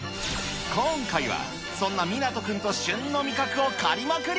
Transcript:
今回はそんな湊君と、旬の味覚を狩りまくり。